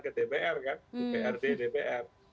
ke dpr kan di prd dpr